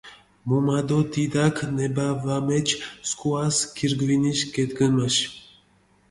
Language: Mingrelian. მუმა დო დიდაქ ნება ვამეჩჷ სქუას გირგვინიში გედგჷმაში.